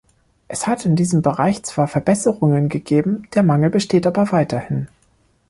Es hat in diesem Bereich zwar Verbesserungen gegeben, der Mangel besteht aber weiterhin.